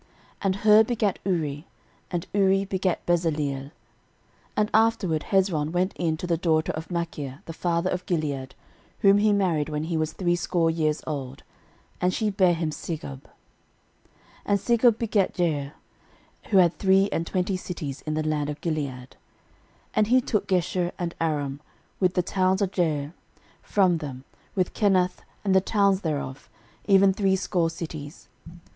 13:002:020 And Hur begat Uri, and Uri begat Bezaleel. 13:002:021 And afterward Hezron went in to the daughter of Machir the father of Gilead, whom he married when he was threescore years old; and she bare him Segub. 13:002:022 And Segub begat Jair, who had three and twenty cities in the land of Gilead. 13:002:023 And he took Geshur, and Aram, with the towns of Jair, from them, with Kenath, and the towns thereof, even threescore cities.